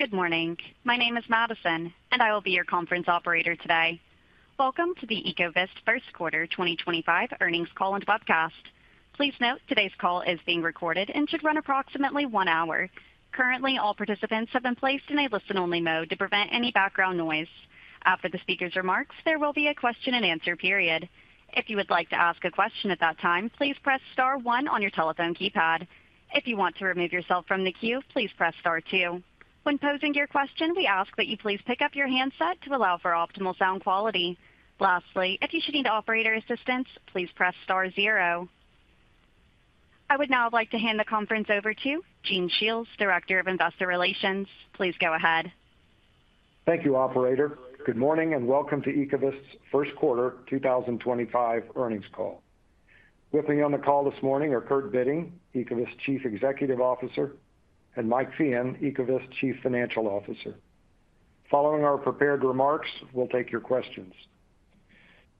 Good morning. My name is Madison, and I will be your conference operator today. Welcome to the Ecovyst First Quarter 2025 Earnings Call and Webcast. Please note today's call is being recorded and should run approximately one hour. Currently, all participants have been placed in a listen-only mode to prevent any background noise. After the speaker's remarks, there will be a question-and-answer period. If you would like to ask a question at that time, please press star one on your telephone keypad. If you want to remove yourself from the queue, please press star two. When posing your question, we ask that you please pick up your handset to allow for optimal sound quality. Lastly, if you should need operator assistance, please press star zero. I would now like to hand the conference over to Gene Shiels, Director of Investor Relations. Please go ahead. Thank you, Operator. Good morning and welcome to Ecovyst's First Quarter 2025 Earnings Call. With me on the call this morning are Kurt Bitting, Ecovyst Chief Executive Officer, and Mike Feehan, Ecovyst Chief Financial Officer. Following our prepared remarks, we'll take your questions.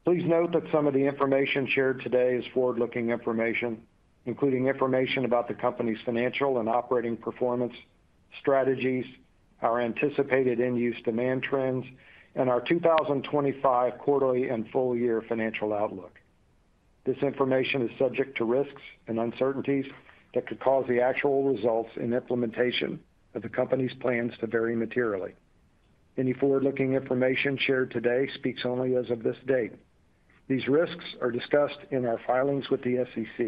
Please note that some of the information shared today is forward-looking information, including information about the company's financial and operating performance, strategies, our anticipated end-use demand trends, and our 2025 quarterly and full-year financial outlook. This information is subject to risks and uncertainties that could cause the actual results and implementation of the company's plans to vary materially. Any forward-looking information shared today speaks only as of this date. These risks are discussed in our filings with the SEC.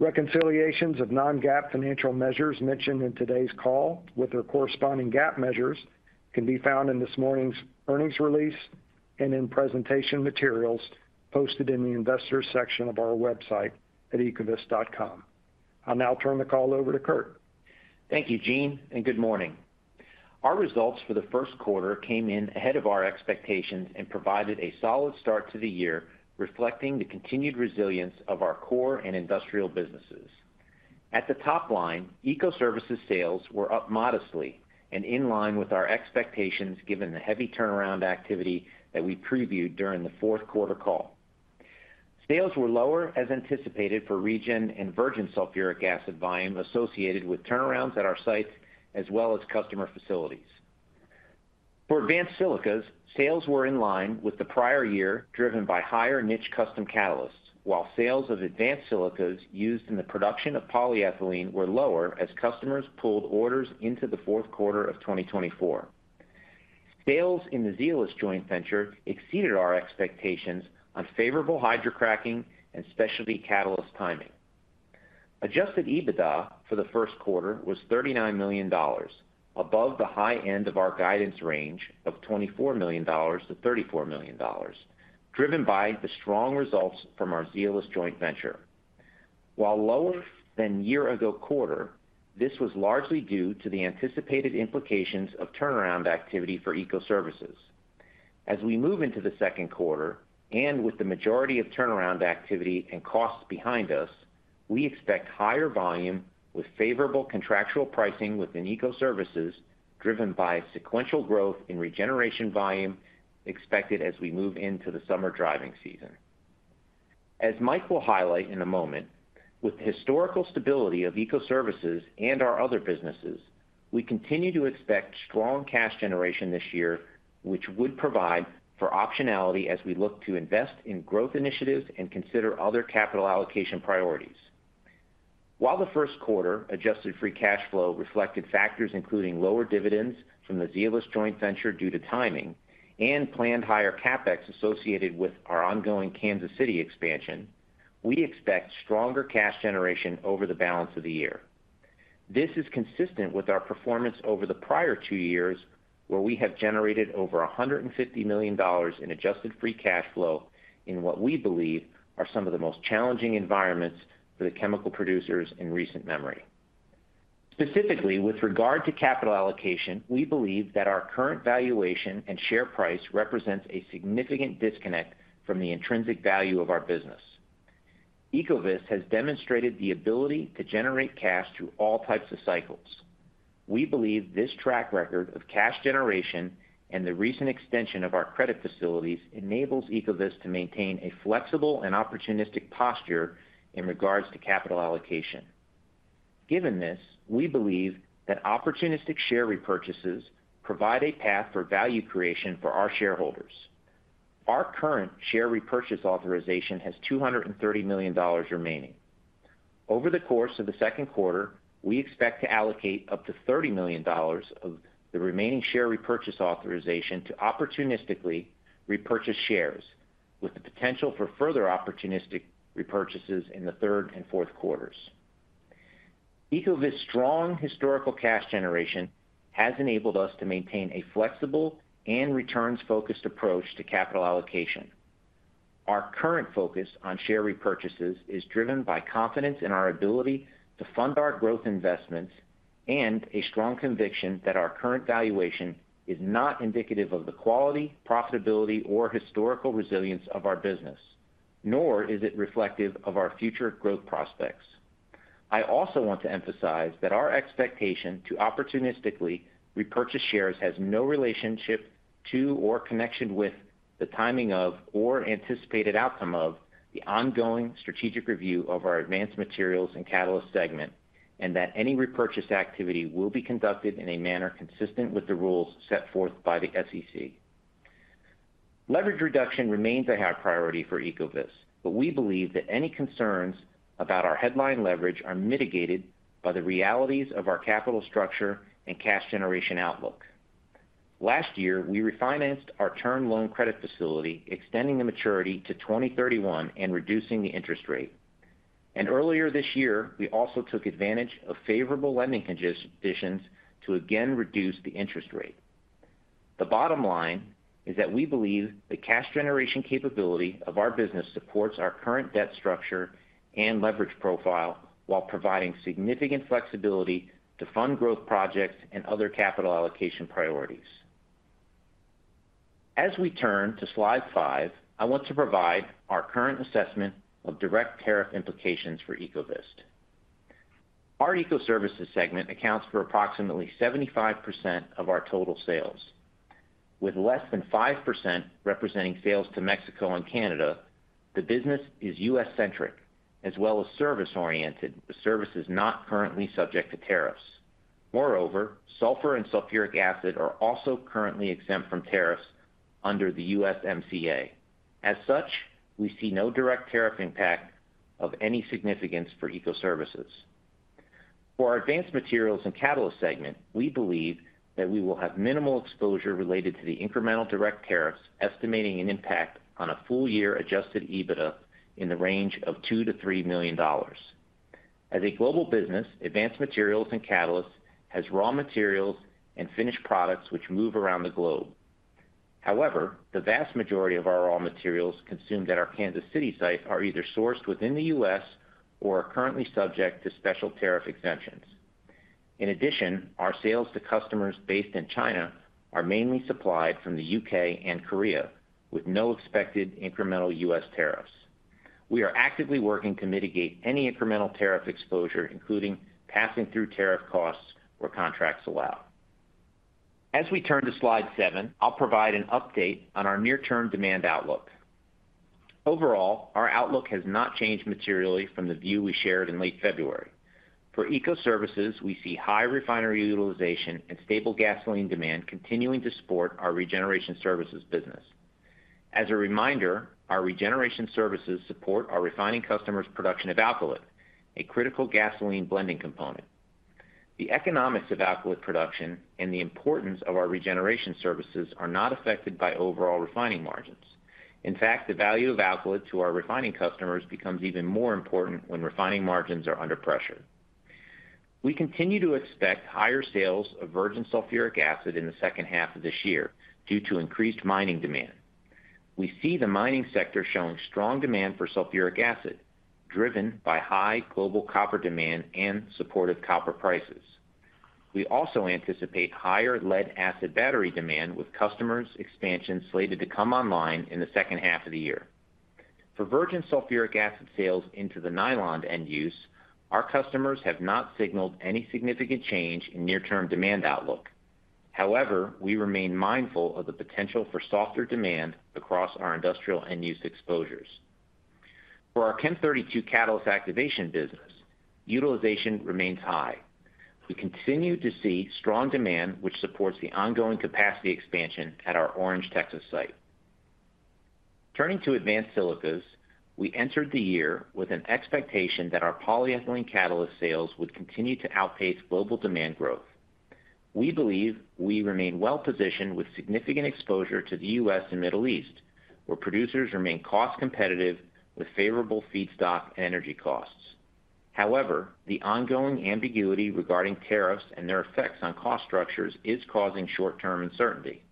Reconciliations of non-GAAP financial measures mentioned in today's call with their corresponding GAAP measures can be found in this morning's earnings release and in presentation materials posted in the Investors section of our website at ecovyst.com. I'll now turn the call over to Kurt. Thank you, Gene, and good morning. Our results for the first quarter came in ahead of our expectations and provided a solid start to the year, reflecting the continued resilience of our core and industrial businesses. At the top line, Ecoservices sales were up modestly and in line with our expectations given the heavy turnaround activity that we previewed during the fourth quarter call. Sales were lower as anticipated for regeneration and virgin sulfuric acid volume associated with turnarounds at our sites, as well as customer facilities. For advanced silicas, sales were in line with the prior year driven by higher niche custom catalysts, while sales of advanced silicas used in the production of polyethylene were lower as customers pulled orders into the fourth quarter of 2024. Sales in the Zeolyst joint venture exceeded our expectations on favorable hydrocracking and specialty catalyst timing. Adjusted EBITDA for the first quarter was $39 million, above the high end of our guidance range of $24 million-$34 million, driven by the strong results from our Zeolyst joint venture. While lower than the year-ago quarter, this was largely due to the anticipated implications of turnaround activity for Ecoservices. As we move into the second quarter and with the majority of turnaround activity and costs behind us, we expect higher volume with favorable contractual pricing within Ecoservices, driven by sequential growth in regeneration volume expected as we move into the summer driving season. As Mike will highlight in a moment, with the historical stability of Ecoservices and our other businesses, we continue to expect strong cash generation this year, which would provide for optionality as we look to invest in growth initiatives and consider other capital allocation priorities. While the first quarter adjusted free cash flow reflected factors including lower dividends from the Zeolyst joint venture due to timing and planned higher CapEx associated with our ongoing Kansas City expansion, we expect stronger cash generation over the balance of the year. This is consistent with our performance over the prior two years, where we have generated over $150 million in adjusted free cash flow in what we believe are some of the most challenging environments for the chemical producers in recent memory. Specifically, with regard to capital allocation, we believe that our current valuation and share price represent a significant disconnect from the intrinsic value of our business. Ecovyst has demonstrated the ability to generate cash through all types of cycles. We believe this track record of cash generation and the recent extension of our credit facilities enables Ecovyst to maintain a flexible and opportunistic posture in regards to capital allocation. Given this, we believe that opportunistic share repurchases provide a path for value creation for our shareholders. Our current share repurchase authorization has $230 million remaining. Over the course of the second quarter, we expect to allocate up to $30 million of the remaining share repurchase authorization to opportunistically repurchase shares, with the potential for further opportunistic repurchases in the third and fourth quarters. Ecovyst's strong historical cash generation has enabled us to maintain a flexible and returns-focused approach to capital allocation. Our current focus on share repurchases is driven by confidence in our ability to fund our growth investments and a strong conviction that our current valuation is not indicative of the quality, profitability, or historical resilience of our business, nor is it reflective of our future growth prospects. I also want to emphasize that our expectation to opportunistically repurchase shares has no relationship to or connection with the timing of or anticipated outcome of the ongoing strategic review of our advanced materials and catalyst segment, and that any repurchase activity will be conducted in a manner consistent with the rules set forth by the SEC. Leverage reduction remains a high priority for Ecovyst, but we believe that any concerns about our headline leverage are mitigated by the realities of our capital structure and cash generation outlook. Last year, we refinanced our term loan credit facility, extending the maturity to 2031 and reducing the interest rate. Earlier this year, we also took advantage of favorable lending conditions to again reduce the interest rate. The bottom line is that we believe the cash generation capability of our business supports our current debt structure and leverage profile while providing significant flexibility to fund growth projects and other capital allocation priorities. As we turn to slide five, I want to provide our current assessment of direct tariff implications for Ecovyst. Our Ecoservices segment accounts for approximately 75% of our total sales, with less than 5% representing sales to Mexico and Canada. The business is U.S.-centric as well as service-oriented, with services not currently subject to tariffs. Moreover, sulfur and sulfuric acid are also currently exempt from tariffs under the U.S. MCA. As such, we see no direct tariff impact of any significance for Ecoservices. For our advanced materials and catalyst segment, we believe that we will have minimal exposure related to the incremental direct tariffs, estimating an impact on a full-year adjusted EBITDA in the range of $2-$3 million. As a global business, advanced materials and catalysts have raw materials and finished products which move around the globe. However, the vast majority of our raw materials consumed at our Kansas City site are either sourced within the U.S. or are currently subject to special tariff exemptions. In addition, our sales to customers based in China are mainly supplied from the U.K. and Korea, with no expected incremental U.S. tariffs. We are actively working to mitigate any incremental tariff exposure, including passing through tariff costs where contracts allow. As we turn to slide seven, I'll provide an update on our near-term demand outlook. Overall, our outlook has not changed materially from the view we shared in late February. For Ecoservices, we see high refinery utilization and stable gasoline demand continuing to support our regeneration services business. As a reminder, our regeneration services support our refining customers' production of alkylate, a critical gasoline blending component. The economics of alkylate production and the importance of our regeneration services are not affected by overall refining margins. In fact, the value of alkylate to our refining customers becomes even more important when refining margins are under pressure. We continue to expect higher sales of virgin sulfuric acid in the second half of this year due to increased mining demand. We see the mining sector showing strong demand for sulfuric acid, driven by high global copper demand and supportive copper prices. We also anticipate higher lead-acid battery demand, with customers' expansion slated to come online in the second half of the year. For virgin sulfuric acid sales into the nylon end use, our customers have not signaled any significant change in near-term demand outlook. However, we remain mindful of the potential for softer demand across our industrial end-use exposures. For our Chem32 catalyst activation business, utilization remains high. We continue to see strong demand, which supports the ongoing capacity expansion at our Orange, Texas site. Turning to advanced silicas, we entered the year with an expectation that our polyethylene catalyst sales would continue to outpace global demand growth. We believe we remain well-positioned with significant exposure to the U.S. and Middle East, where producers remain cost-competitive with favorable feedstock and energy costs. However, the ongoing ambiguity regarding tariffs and their effects on cost structures is causing short-term uncertainty.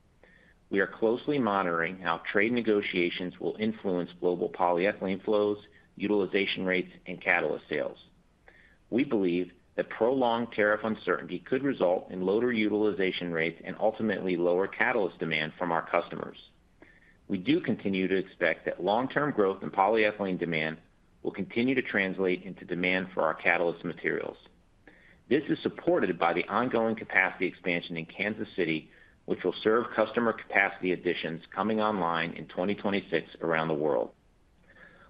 We are closely monitoring how trade negotiations will influence global polyethylene flows, utilization rates, and catalyst sales. We believe that prolonged tariff uncertainty could result in lower utilization rates and ultimately lower catalyst demand from our customers. We do continue to expect that long-term growth in polyethylene demand will continue to translate into demand for our catalyst materials. This is supported by the ongoing capacity expansion in Kansas City, which will serve customer capacity additions coming online in 2026 around the world.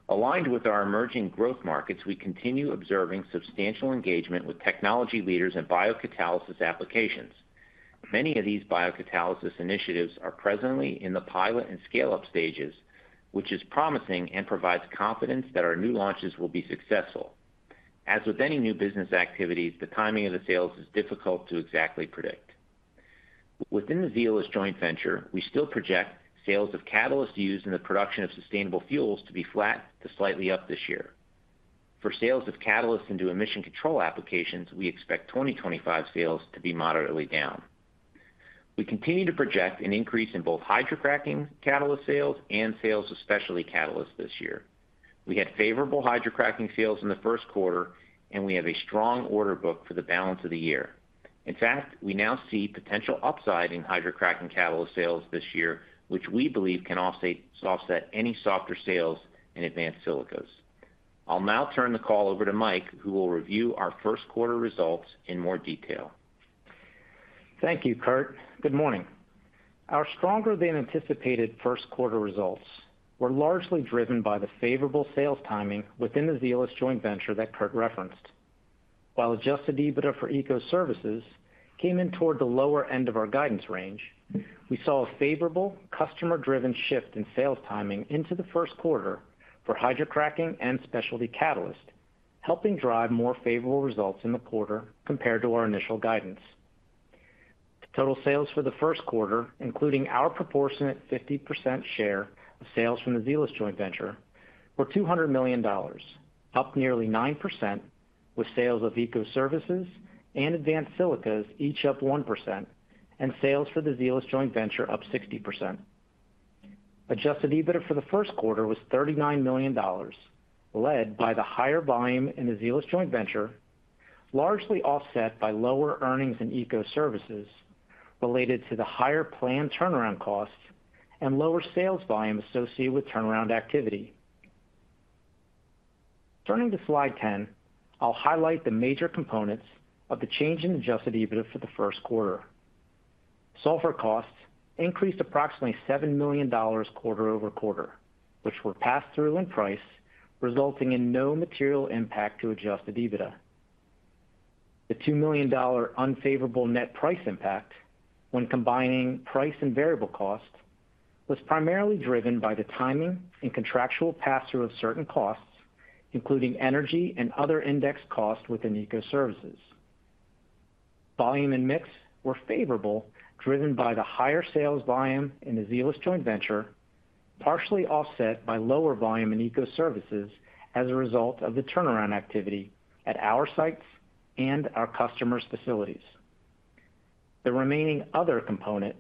Aligned with our emerging growth markets, we continue observing substantial engagement with technology leaders in biocatalysis applications. Many of these biocatalysis initiatives are presently in the pilot and scale-up stages, which is promising and provides confidence that our new launches will be successful. As with any new business activities, the timing of the sales is difficult to exactly predict. Within the Zeolyst joint venture, we still project sales of catalysts used in the production of sustainable fuels to be flat to slightly up this year. For sales of catalysts into emission control applications, we expect 2025 sales to be moderately down. We continue to project an increase in both hydrocracking catalyst sales and sales of specialty catalysts this year. We had favorable hydrocracking sales in the first quarter, and we have a strong order book for the balance of the year. In fact, we now see potential upside in hydrocracking catalyst sales this year, which we believe can offset any softer sales in advanced silicas. I'll now turn the call over to Mike, who will review our first quarter results in more detail. Thank you, Kurt. Good morning. Our stronger-than-anticipated first quarter results were largely driven by the favorable sales timing within the Zeolyst joint venture that Kurt referenced. While adjusted EBITDA for Ecoservices came in toward the lower end of our guidance range, we saw a favorable customer-driven shift in sales timing into the first quarter for hydrocracking and specialty catalysts, helping drive more favorable results in the quarter compared to our initial guidance. Total sales for the first quarter, including our proportionate 50% share of sales from the Zeolyst joint venture, were $200 million, up nearly 9%, with sales of Ecoservices and advanced silicas each up 1%, and sales for the Zeolyst joint venture up 60%. Adjusted EBITDA for the first quarter was $39 million, led by the higher volume in the Zeolyst joint venture, largely offset by lower earnings in Ecoservices related to the higher planned turnaround costs and lower sales volume associated with turnaround activity. Turning to slide 10, I'll highlight the major components of the change in adjusted EBITDA for the first quarter. Sulfur costs increased approximately $7 million quarter-over-quarter, which were passed through in price, resulting in no material impact to adjusted EBITDA. The $2 million unfavorable net price impact, when combining price and variable cost, was primarily driven by the timing and contractual pass-through of certain costs, including energy and other indexed costs within Ecoservices. Volume and mix were favorable, driven by the higher sales volume in the Zeolyst joint venture, partially offset by lower volume in Ecoservices as a result of the turnaround activity at our sites and our customers' facilities. The remaining other component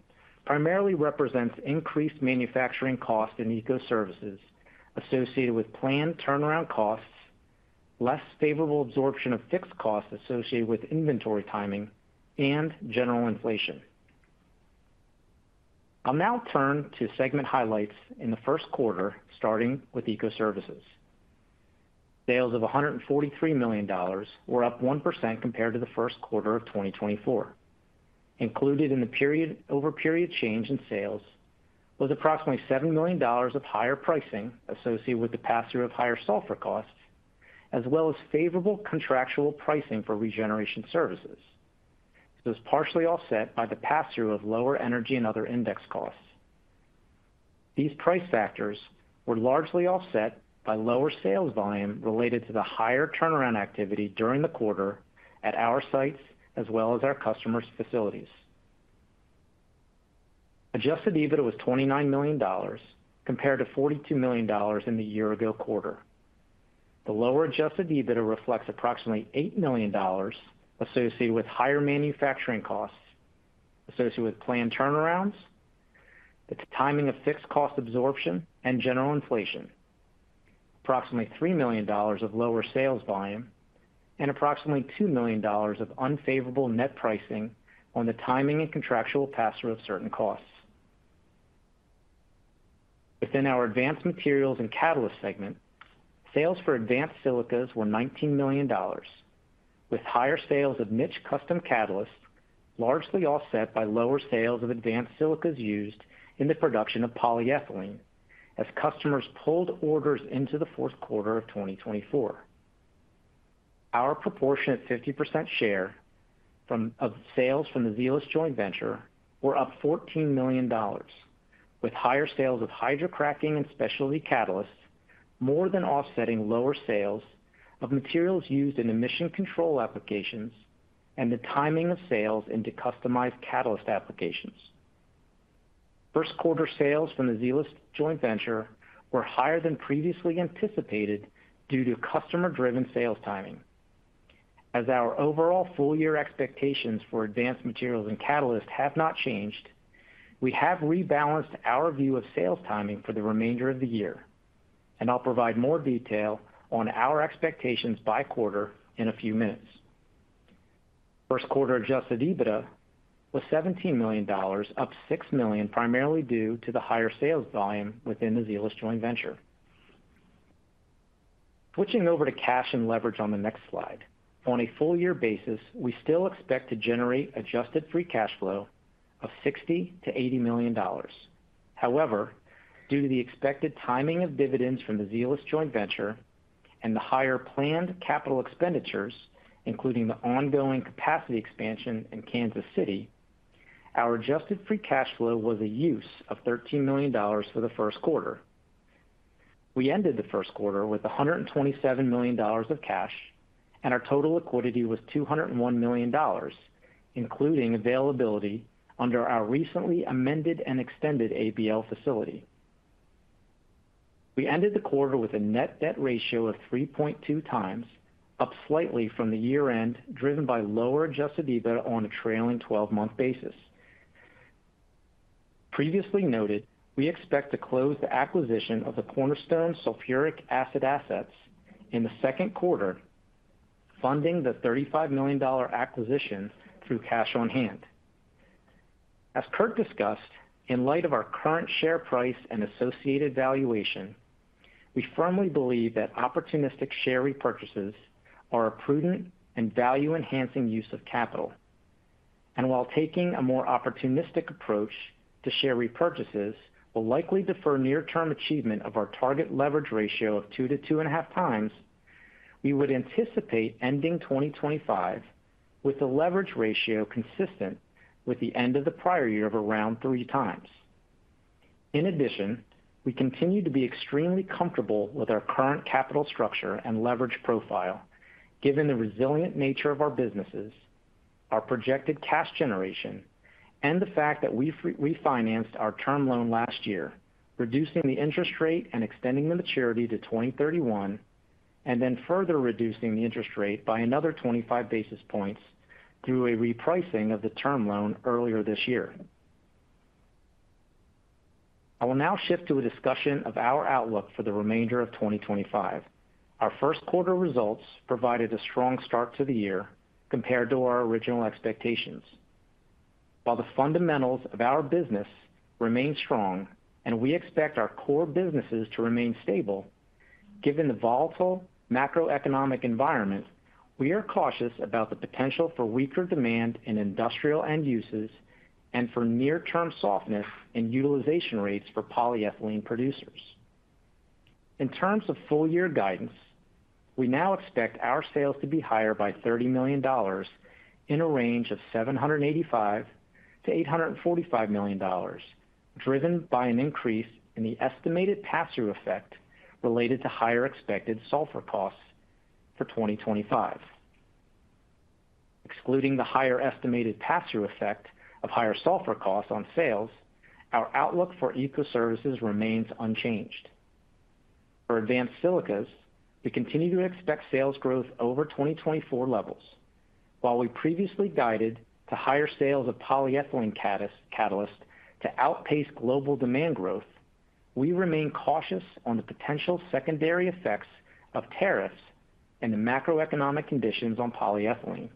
primarily represents increased manufacturing costs in Ecoservices associated with planned turnaround costs, less favorable absorption of fixed costs associated with inventory timing, and general inflation. I'll now turn to segment highlights in the first quarter, starting with Ecoservices. Sales of $143 million were up 1% compared to the first quarter of 2024. Included in the period-over-period change in sales was approximately $7 million of higher pricing associated with the pass-through of higher sulfur costs, as well as favorable contractual pricing for regeneration services. It was partially offset by the pass-through of lower energy and other indexed costs. These price factors were largely offset by lower sales volume related to the higher turnaround activity during the quarter at our sites as well as our customers' facilities. Adjusted EBITDA was $29 million compared to $42 million in the year-ago quarter. The lower adjusted EBITDA reflects approximately $8 million associated with higher manufacturing costs associated with planned turnarounds, the timing of fixed cost absorption, and general inflation, approximately $3 million of lower sales volume, and approximately $2 million of unfavorable net pricing on the timing and contractual pass-through of certain costs. Within our advanced materials and catalyst segment, sales for advanced silicas were $19 million, with higher sales of niche custom catalysts largely offset by lower sales of advanced silicas used in the production of polyethylene as customers pulled orders into the fourth quarter of 2024. Our proportionate 50% share of sales from the Zeolyst joint venture were up $14 million, with higher sales of hydrocracking and specialty catalysts more than offsetting lower sales of materials used in emission control applications and the timing of sales into customized catalyst applications. First quarter sales from the Zeolyst joint venture were higher than previously anticipated due to customer-driven sales timing. As our overall full-year expectations for advanced materials and catalysts have not changed, we have rebalanced our view of sales timing for the remainder of the year. I will provide more detail on our expectations by quarter in a few minutes. First quarter adjusted EBITDA was $17 million, up $6 million, primarily due to the higher sales volume within the Zeolyst joint venture. Switching over to cash and leverage on the next slide. On a full-year basis, we still expect to generate adjusted free cash flow of $60 million-$80 million. However, due to the expected timing of dividends from the Zeolyst joint venture and the higher planned capital expenditures, including the ongoing capacity expansion in Kansas City, our adjusted free cash flow was a use of $13 million for the first quarter. We ended the first quarter with $127 million of cash, and our total liquidity was $201 million, including availability under our recently amended and extended ABL facility. We ended the quarter with a net debt ratio of 3.2x, up slightly from the year-end, driven by lower adjusted EBITDA on a trailing 12-month basis. Previously noted, we expect to close the acquisition of the Cornerstone sulfuric acid assets in the second quarter, funding the $35 million acquisition through cash on hand. As Kurt discussed, in light of our current share price and associated valuation, we firmly believe that opportunistic share repurchases are a prudent and value-enhancing use of capital. While taking a more opportunistic approach to share repurchases will likely defer near-term achievement of our target leverage ratio of 2x-2.5x, we would anticipate ending 2025 with a leverage ratio consistent with the end of the prior year of around 3x. In addition, we continue to be extremely comfortable with our current capital structure and leverage profile, given the resilient nature of our businesses, our projected cash generation, and the fact that we refinanced our term loan last year, reducing the interest rate and extending the maturity to 2031, and then further reducing the interest rate by another 25 basis points through a repricing of the term loan earlier this year. I will now shift to a discussion of our outlook for the remainder of 2025. Our first quarter results provided a strong start to the year compared to our original expectations. While the fundamentals of our business remain strong and we expect our core businesses to remain stable, given the volatile macroeconomic environment, we are cautious about the potential for weaker demand in industrial end uses and for near-term softness in utilization rates for polyethylene producers. In terms of full-year guidance, we now expect our sales to be higher by $30 million in a range of $785 million-$845 million, driven by an increase in the estimated pass-through effect related to higher expected sulfur costs for 2025. Excluding the higher estimated pass-through effect of higher sulfur costs on sales, our outlook for Ecoservices remains unchanged. For advanced silicas, we continue to expect sales growth over 2024 levels. While we previously guided to higher sales of polyethylene catalyst to outpace global demand growth, we remain cautious on the potential secondary effects of tariffs and the macroeconomic conditions on polyethylene.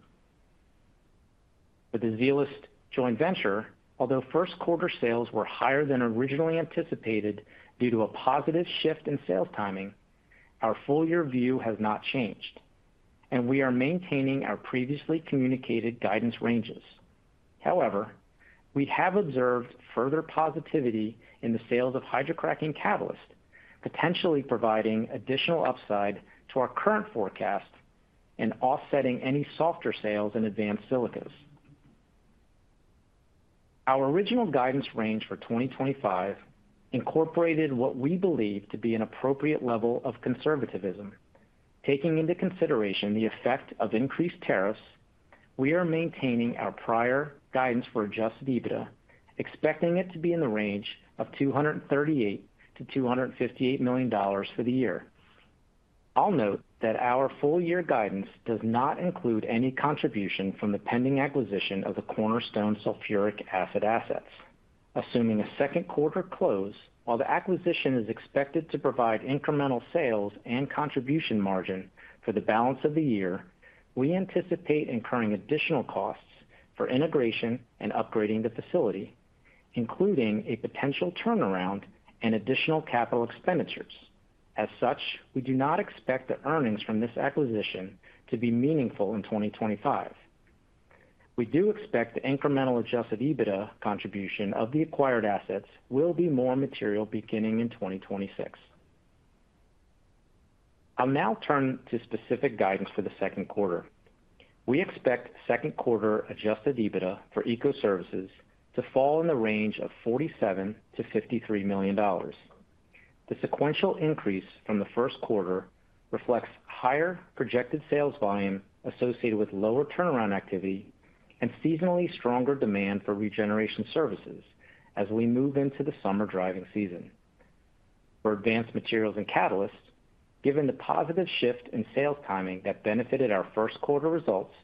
For the Zeolyst joint venture, although first quarter sales were higher than originally anticipated due to a positive shift in sales timing, our full-year view has not changed, and we are maintaining our previously communicated guidance ranges. However, we have observed further positivity in the sales of hydrocracking catalyst, potentially providing additional upside to our current forecast and offsetting any softer sales in advanced silicas. Our original guidance range for 2025 incorporated what we believe to be an appropriate level of conservatism. Taking into consideration the effect of increased tariffs, we are maintaining our prior guidance for adjusted EBITDA, expecting it to be in the range of $238 million-$258 million for the year. I'll note that our full-year guidance does not include any contribution from the pending acquisition of the Cornerstone sulfuric acid assets. Assuming a second quarter close, while the acquisition is expected to provide incremental sales and contribution margin for the balance of the year, we anticipate incurring additional costs for integration and upgrading the facility, including a potential turnaround and additional capital expenditures. As such, we do not expect the earnings from this acquisition to be meaningful in 2025. We do expect the incremental adjusted EBITDA contribution of the acquired assets will be more material beginning in 2026. I'll now turn to specific guidance for the second quarter. We expect second quarter adjusted EBITDA for Ecoservices to fall in the range of $47 million-$53 million. The sequential increase from the first quarter reflects higher projected sales volume associated with lower turnaround activity and seasonally stronger demand for regeneration services as we move into the summer driving season. For advanced materials and catalysts, given the positive shift in sales timing that benefited our first quarter results,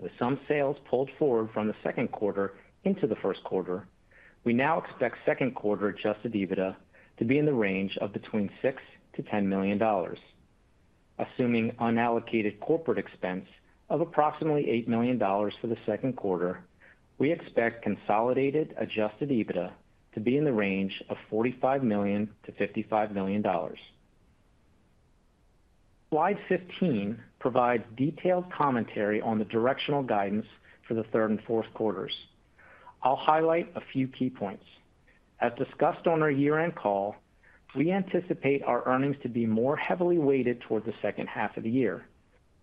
with some sales pulled forward from the second quarter into the first quarter, we now expect second quarter adjusted EBITDA to be in the range of $6 million-$10 million. Assuming unallocated corporate expense of approximately $8 million for the second quarter, we expect consolidated adjusted EBITDA to be in the range of $45 million-$55 million. Slide 15 provides detailed commentary on the directional guidance for the third and fourth quarters. I'll highlight a few key points. As discussed on our year-end call, we anticipate our earnings to be more heavily weighted toward the second half of the year.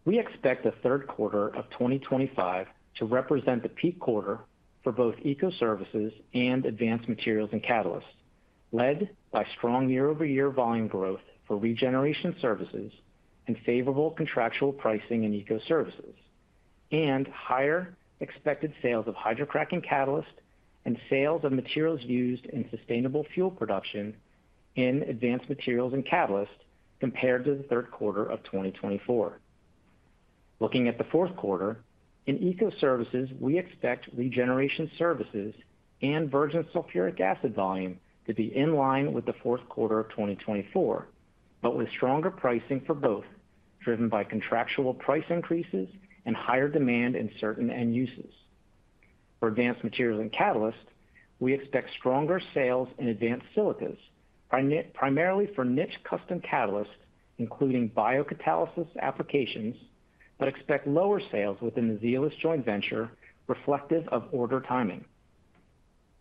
We expect the third quarter of 2025 to represent the peak quarter for both Ecoservices and advanced materials and catalysts, led by strong year-over-year volume growth for regeneration services and favorable contractual pricing in Ecoservices, and higher expected sales of hydrocracking catalyst and sales of materials used in sustainable fuel production in advanced materials and catalysts compared to the third quarter of 2024. Looking at the fourth quarter, in Ecoservices, we expect regeneration services and virgin sulfuric acid volume to be in line with the fourth quarter of 2024, but with stronger pricing for both, driven by contractual price increases and higher demand in certain end uses. For advanced materials and catalysts, we expect stronger sales in advanced silicas, primarily for niche custom catalysts, including biocatalysis applications, but expect lower sales within the Zeolyst joint venture, reflective of order timing.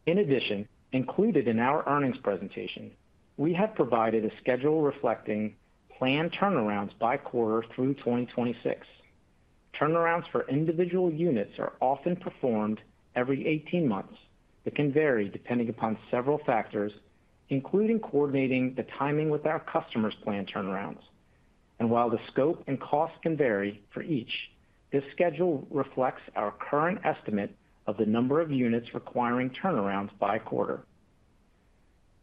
In addition, included in our earnings presentation, we have provided a schedule reflecting planned turnarounds by quarter through 2026. Turnarounds for individual units are often performed every 18 months that can vary depending upon several factors, including coordinating the timing with our customers' planned turnarounds. While the scope and cost can vary for each, this schedule reflects our current estimate of the number of units requiring turnarounds by quarter.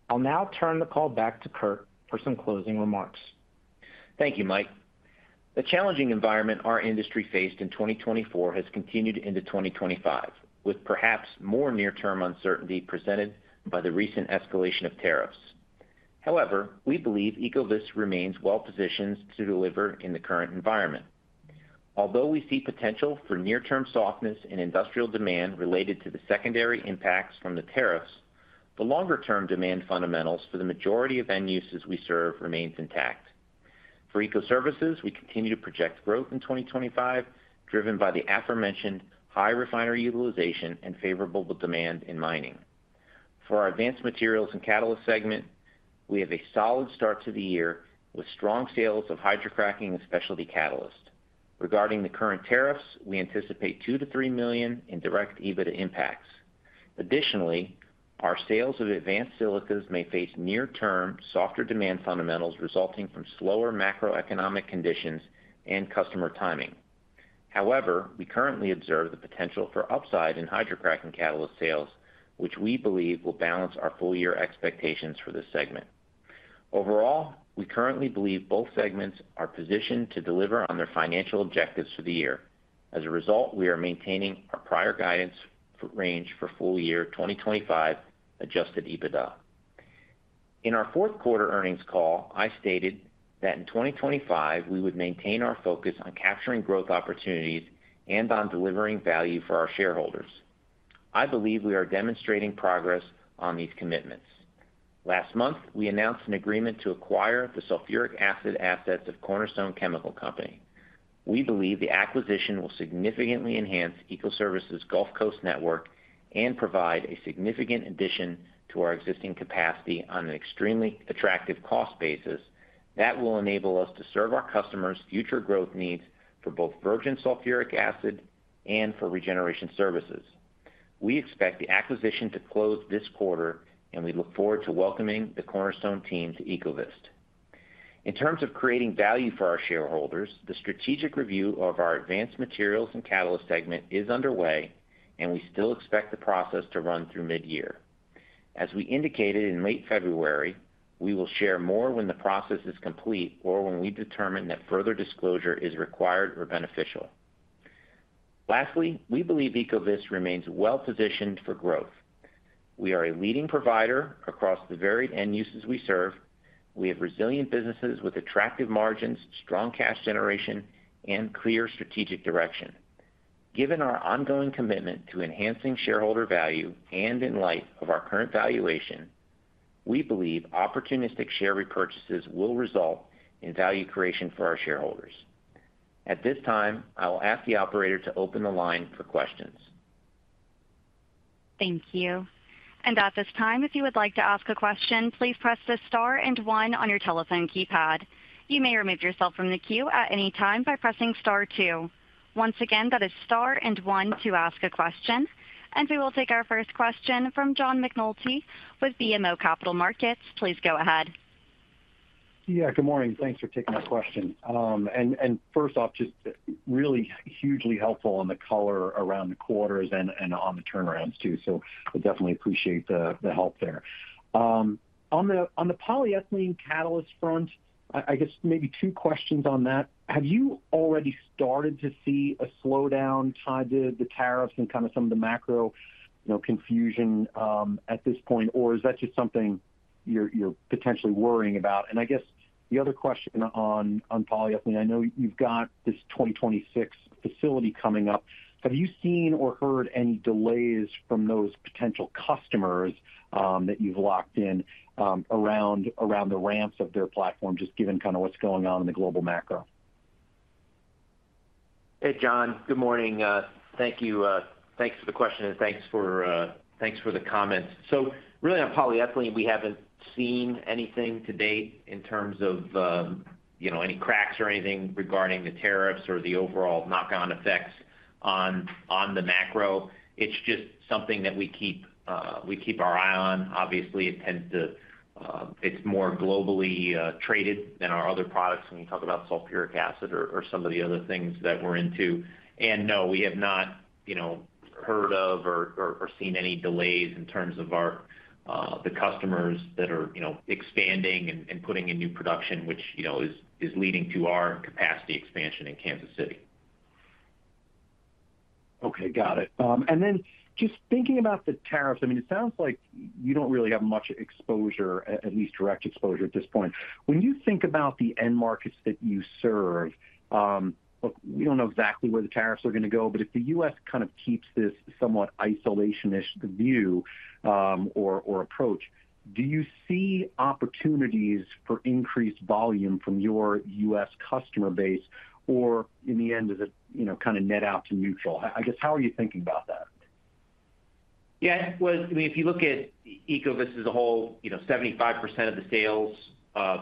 I'll now turn the call back to Kurt for some closing remarks. Thank you, Mike. The challenging environment our industry faced in 2024 has continued into 2025, with perhaps more near-term uncertainty presented by the recent escalation of tariffs. However, we believe Ecovyst remains well-positioned to deliver in the current environment. Although we see potential for near-term softness in industrial demand related to the secondary impacts from the tariffs, the longer-term demand fundamentals for the majority of end uses we serve remain intact. For Ecoservices, we continue to project growth in 2025, driven by the aforementioned high refinery utilization and favorable demand in mining. For our advanced materials and catalyst segment, we have a solid start to the year with strong sales of hydrocracking and specialty catalyst. Regarding the current tariffs, we anticipate $2 million-$3 million in direct EBITDA impacts. Additionally, our sales of advanced silicas may face near-term softer demand fundamentals resulting from slower macroeconomic conditions and customer timing. However, we currently observe the potential for upside in hydrocracking catalyst sales, which we believe will balance our full-year expectations for this segment. Overall, we currently believe both segments are positioned to deliver on their financial objectives for the year. As a result, we are maintaining our prior guidance range for full-year 2025 adjusted EBITDA. In our fourth quarter earnings call, I stated that in 2025, we would maintain our focus on capturing growth opportunities and on delivering value for our shareholders. I believe we are demonstrating progress on these commitments. Last month, we announced an agreement to acquire the sulfuric acid assets of Cornerstone Chemical Company. We believe the acquisition will significantly enhance Ecoservices' Gulf Coast network and provide a significant addition to our existing capacity on an extremely attractive cost basis that will enable us to serve our customers' future growth needs for both virgin sulfuric acid and for regeneration services. We expect the acquisition to close this quarter, and we look forward to welcoming the Cornerstone team to Ecovyst. In terms of creating value for our shareholders, the strategic review of our advanced materials and catalyst segment is underway, and we still expect the process to run through mid-year. As we indicated in late February, we will share more when the process is complete or when we determine that further disclosure is required or beneficial. Lastly, we believe Ecovyst remains well-positioned for growth. We are a leading provider across the varied end uses we serve. We have resilient businesses with attractive margins, strong cash generation, and clear strategic direction. Given our ongoing commitment to enhancing shareholder value and in light of our current valuation, we believe opportunistic share repurchases will result in value creation for our shareholders. At this time, I will ask the operator to open the line for questions. Thank you. At this time, if you would like to ask a question, please press the star and one on your telephone keypad. You may remove yourself from the queue at any time by pressing star two. Once again, that is star and one to ask a question. We will take our first question from John McNulty with BMO Capital Markets. Please go ahead. Yeah, good morning. Thanks for taking my question. First off, just really hugely helpful on the color around the quarters and on the turnarounds too. I definitely appreciate the help there. On the polyethylene catalyst front, I guess maybe two questions on that. Have you already started to see a slowdown tied to the tariffs and kind of some of the macro confusion at this point, or is that just something you're potentially worrying about? I guess the other question on polyethylene, I know you've got this 2026 facility coming up. Have you seen or heard any delays from those potential customers that you've locked in around the ramps of their platform, just given kind of what's going on in the global macro? Hey, John. Good morning. Thank you. Thanks for the question and thanks for the comments. Really, on polyethylene, we haven't seen anything to date in terms of any cracks or anything regarding the tariffs or the overall knock-on effects on the macro. It's just something that we keep our eye on. Obviously, it tends to be more globally traded than our other products when you talk about sulfuric acid or some of the other things that we're into. And no, we have not heard of or seen any delays in terms of the customers that are expanding and putting in new production, which is leading to our capacity expansion in Kansas City. Okay, got it. I mean, it sounds like you do not really have much exposure, at least direct exposure at this point. When you think about the end markets that you serve, look, we do not know exactly where the tariffs are going to go, but if the U.S. kind of keeps this somewhat isolationist view or approach, do you see opportunities for increased volume from your U.S. customer base? In the end, is it kind of net out to neutral? I guess, how are you thinking about that? Yeah, I mean, if you look at Ecovyst as a whole, 75% of the sales,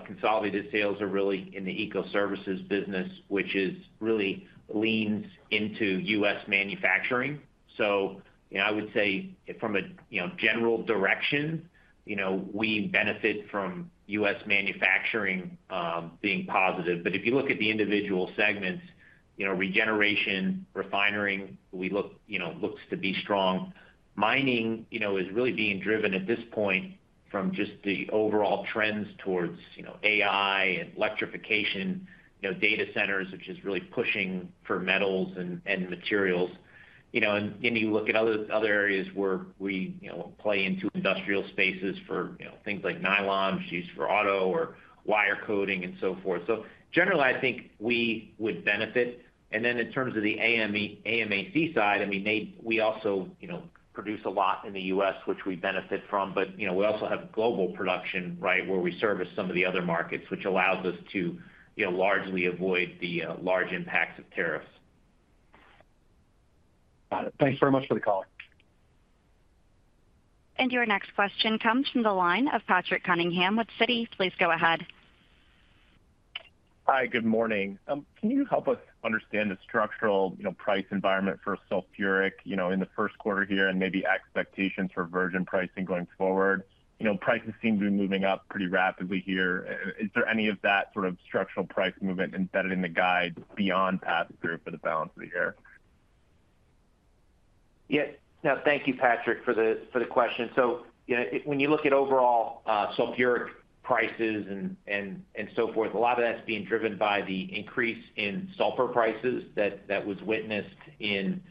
consolidated sales, are really in the Ecoservices business, which really leans into U.S. manufacturing. I would say from a general direction, we benefit from U.S. manufacturing being positive. If you look at the individual segments, regeneration, refinery, looks to be strong. Mining is really being driven at this point from just the overall trends towards AI and electrification, data centers, which is really pushing for metals and materials. You look at other areas where we play into industrial spaces for things like nylon used for auto or wire coating and so forth. Generally, I think we would benefit. In terms of the AM&C side, I mean, we also produce a lot in the U.S., which we benefit from, but we also have global production, right, where we service some of the other markets, which allows us to largely avoid the large impacts of tariffs. Got it. Thanks very much for the call. Your next question comes from the line of Patrick Cunningham with Citi. Please go ahead. Hi, good morning. Can you help us understand the structural price environment for sulfuric in the first quarter here and maybe expectations for virgin pricing going forward? Prices seem to be moving up pretty rapidly here. Is there any of that sort of structural price movement embedded in the guide beyond pass through for the balance of the year? Yeah. No, thank you, Patrick, for the question. When you look at overall sulfuric prices and so forth, a lot of that's being driven by the increase in sulfur prices that was witnessed in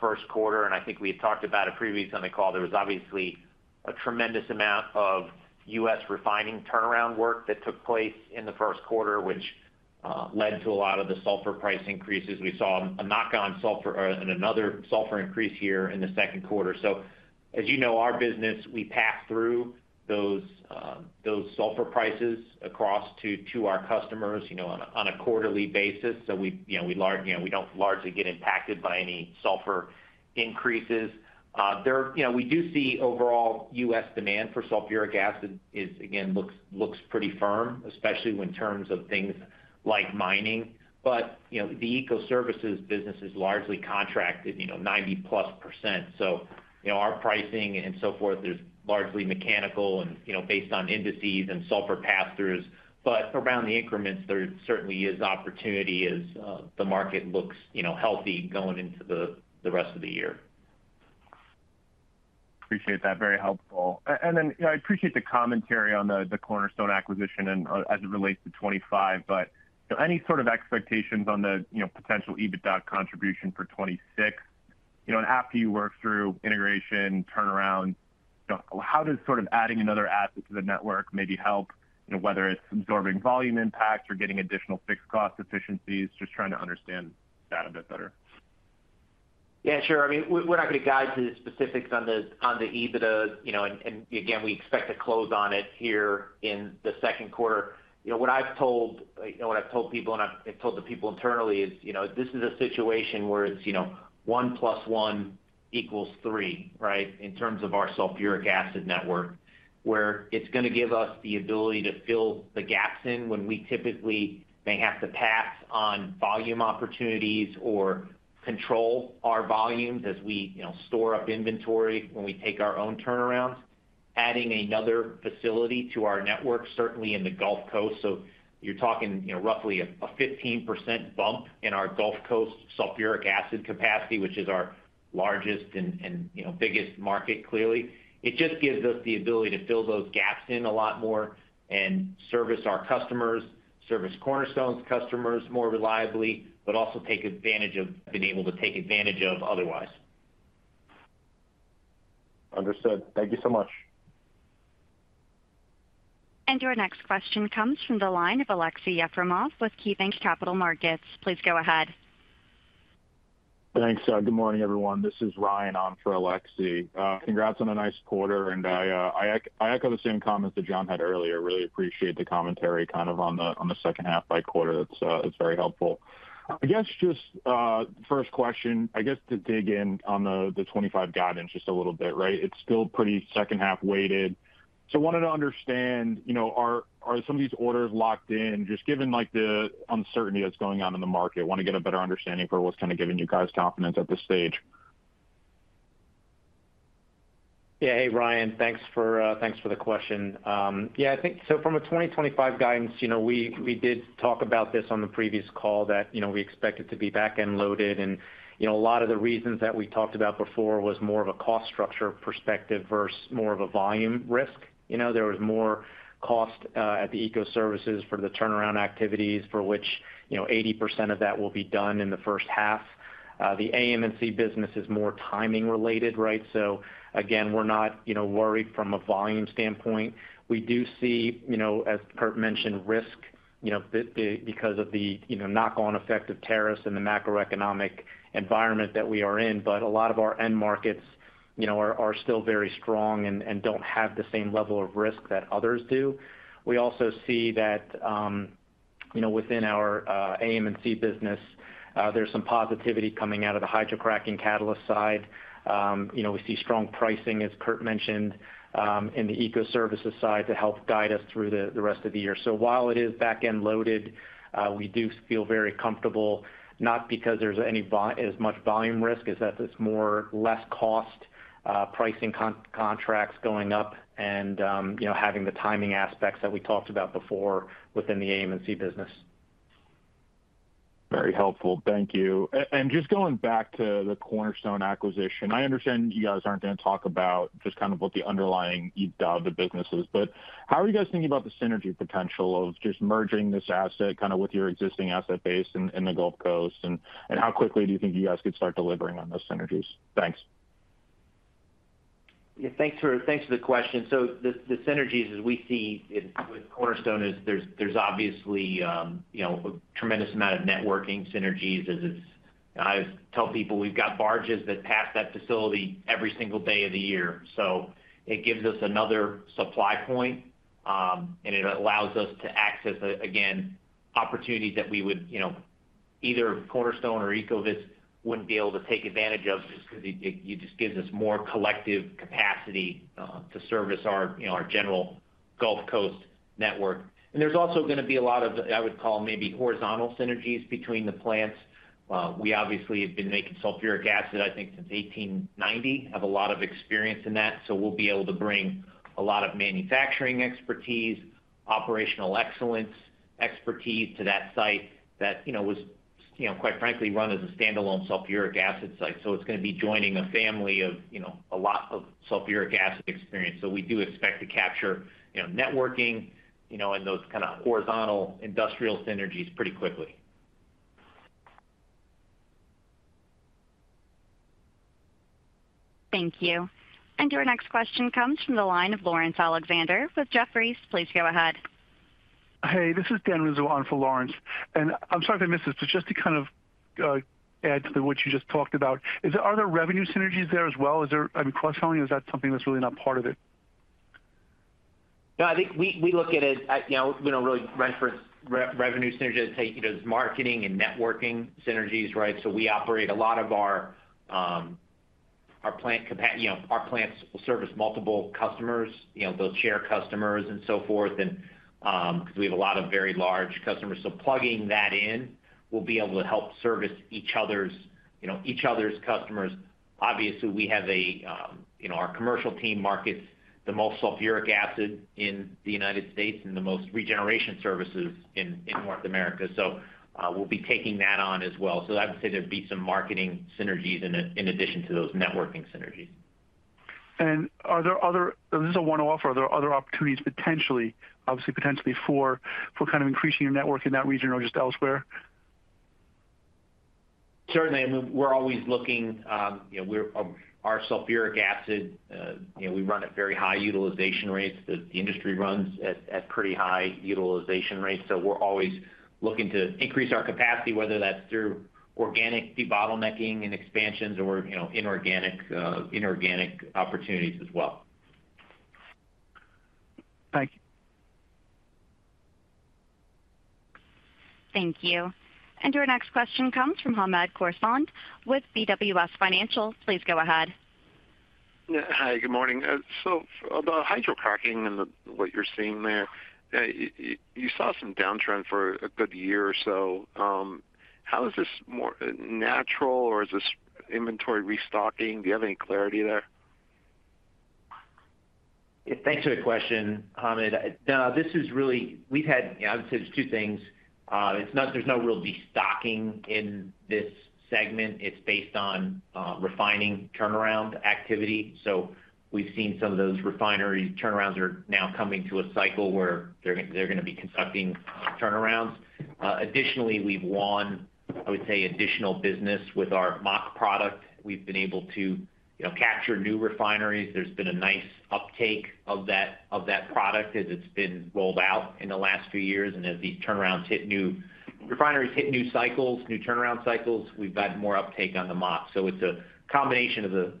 first quarter. I think we had talked about it previously on the call. There was obviously a tremendous amount of U.S. refining turnaround work that took place in the first quarter, which led to a lot of the sulfur price increases. We saw a knock-on sulfur and another sulfur increase here in the second quarter. As you know, our business, we pass through those sulfur prices across to our customers on a quarterly basis. We do not largely get impacted by any sulfur increases. We do see overall U.S. demand for sulfuric acid, again, it looks pretty firm, especially in terms of things like mining. The Ecoservices business is largely contracted 90%+. Our pricing and so forth, there's largely mechanical and based on indices and sulfur pass-throughs. Around the increments, there certainly is opportunity as the market looks healthy going into the rest of the year. Appreciate that. Very helpful. I appreciate the commentary on the Cornerstone acquisition as it relates to 2025, but any sort of expectations on the potential EBITDA contribution for 2026? After you work through integration, turnaround, how does adding another asset to the network maybe help, whether it's absorbing volume impacts or getting additional fixed cost efficiencies, just trying to understand that a bit better? Yeah, sure. I mean, we're not going to guide to the specifics on the EBITDA. Again, we expect to close on it here in the second quarter. What I've told people, and I've told the people internally, is this is a situation where it's one plus one equals three, right, in terms of our sulfuric acid network, where it's going to give us the ability to fill the gaps in when we typically may have to pass on volume opportunities or control our volumes as we store up inventory when we take our own turnarounds. Adding another facility to our network, certainly in the Gulf Coast, so you're talking roughly a 15% bump in our Gulf Coast sulfuric acid capacity, which is our largest and biggest market, clearly. It just gives us the ability to fill those gaps in a lot more and service our customers, service Cornerstone's customers more reliably, but also take advantage of, been able to take advantage of otherwise. Understood. Thank you so much. Your next question comes from the line of Aleksey Yefremov with KeyBanc Capital Markets. Please go ahead. Thanks. Good morning, everyone. This is Ryan on for Aleksey. Congrats on a nice quarter. I echo the same comments that John had earlier. Really appreciate the commentary kind of on the second half by quarter. It's very helpful. I guess just first question, I guess to dig in on the 2025 guidance just a little bit, right? It's still pretty second-half weighted. I wanted to understand, are some of these orders locked in? Just given the uncertainty that's going on in the market, I want to get a better understanding for what's kind of giving you guys confidence at this stage. Yeah. Hey, Ryan. Thanks for the question. Yeah, I think so from a 2025 guidance, we did talk about this on the previous call that we expected to be back-end loaded. A lot of the reasons that we talked about before was more of a cost structure perspective versus more of a volume risk. There was more cost at the Ecoservices for the turnaround activities, for which 80% of that will be done in the first half. The AM&C business is more timing related, right? Again, we're not worried from a volume standpoint. We do see, as Kurt mentioned, risk because of the knock-on effect of tariffs and the macroeconomic environment that we are in, but a lot of our end markets are still very strong and do not have the same level of risk that others do. We also see that within our AM&C business, there is some positivity coming out of the hydrocracking catalyst side. We see strong pricing, as Kurt mentioned, in the Ecoservices side to help guide us through the rest of the year. While it is back-end loaded, we do feel very comfortable, not because there's as much volume risk as that there's more less cost pricing contracts going up and having the timing aspects that we talked about before within the AM&C business. Very helpful. Thank you. Just going back to the Cornerstone acquisition, I understand you guys aren't going to talk about just kind of what the underlying EBITDA of the business is, but how are you guys thinking about the synergy potential of just merging this asset kind of with your existing asset base in the Gulf Coast? How quickly do you think you guys could start delivering on those synergies? Thanks. Yeah, thanks for the question. The synergies as we see with Cornerstone, there's obviously a tremendous amount of networking synergies. I tell people we've got barges that pass that facility every single day of the year. It gives us another supply point, and it allows us to access, again, opportunities that either Cornerstone or Ecovyst wouldn't be able to take advantage of just because it gives us more collective capacity to service our general Gulf Coast network. There's also going to be a lot of, I would call, maybe horizontal synergies between the plants. We obviously have been making sulfuric acid, I think, since 1890, have a lot of experience in that. We'll be able to bring a lot of manufacturing expertise, operational excellence expertise to that site that was, quite frankly, run as a standalone sulfuric acid site. It is going to be joining a family of a lot of sulfuric acid experience. We do expect to capture networking and those kind of horizontal industrial synergies pretty quickly. Thank you. Your next question comes from the line of Laurence Alexander with Jefferies. Please go ahead. Hey, this is Dan Rizzo on for Laurence. I'm sorry if I missed this, but just to kind of add to what you just talked about, are there revenue synergies there as well? I mean, cross-selling, is that something that's really not part of it? No, I think we look at it, we do not really reference revenue synergies. It is marketing and networking synergies, right? We operate a lot of our plants because our plants will service multiple customers, those shared customers and so forth, because we have a lot of very large customers. Plugging that in will be able to help service each other's customers. Obviously, we have our commercial team markets the most sulfuric acid in the United States and the most regeneration services in North America. We'll be taking that on as well. I would say there'd be some marketing synergies in addition to those networking synergies. Is this a one-off, or are there other opportunities potentially, obviously potentially for kind of increasing your network in that region or just elsewhere? Certainly. I mean, we're always looking, our sulfuric acid, we run at very high utilization rates. The industry runs at pretty high utilization rates. We're always looking to increase our capacity, whether that's through organic debottlenecking and expansions or inorganic opportunities as well. Thank you. Thank you. Your next question comes from Hamed Khorsand with BWS Financial. Please go ahead. Hi, good morning. About hydrocracking and what you're seeing there, you saw some downtrend for a good year or so. How is this more natural, or is this inventory restocking? Do you have any clarity there? Thanks for the question, Hamed. No, this is really, I've had, I would say, there's two things. There's no real destocking in this segment. It's based on refining turnaround activity. We've seen some of those refineries turnarounds are now coming to a cycle where they're going to be conducting turnarounds. Additionally, we've won, I would say, additional business with our mock product. We've been able to capture new refineries. There's been a nice uptake of that product as it's been rolled out in the last few years. As these turnarounds hit new refineries, hit new cycles, new turnaround cycles, we've got more uptake on the mock. It is a combination of the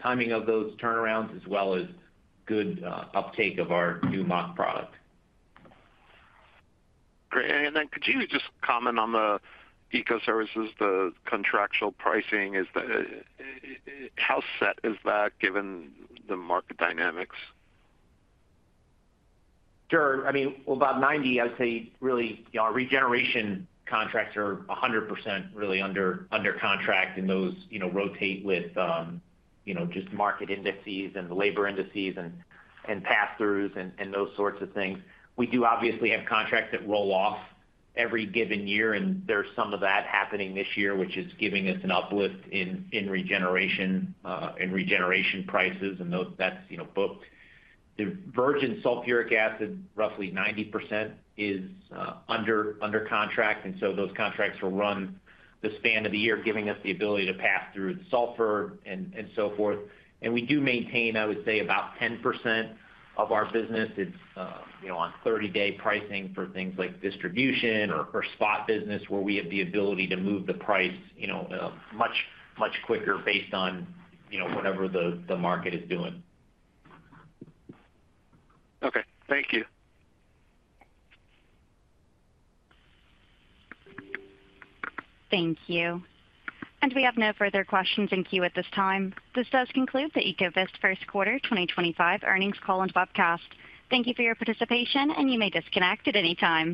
timing of those turnarounds as well as good uptake of our new mock product. Great. Could you just comment on the Ecoservices, the contractual pricing? How set is that given the market dynamics? Sure. I mean, about 90%, I would say really our regeneration contracts are 100% really under contract, and those rotate with just market indices and labor indices and pass-throughs and those sorts of things. We do obviously have contracts that roll off every given year, and there is some of that happening this year, which is giving us an uplift in regeneration prices, and that is booked. The virgin sulfuric acid, roughly 90%, is under contract. Those contracts will run the span of the year, giving us the ability to pass through sulfur and so forth. We do maintain, I would say, about 10% of our business. It's on 30-day pricing for things like distribution or spot business, where we have the ability to move the price much, much quicker based on whatever the market is doing. Okay. Thank you. Thank you. We have no further questions in queue at this time. This does conclude the Ecovyst First Quarter 2025 Earnings Call and Webcast. Thank you for your participation, and you may disconnect at any time.